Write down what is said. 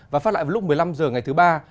và phát lại vào lúc một mươi năm h ngày thứ ba